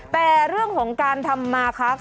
แต่เรื่องของการทำมาค้าขายเนี่ย